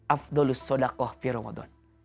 afdolus sodakoh pi ramadan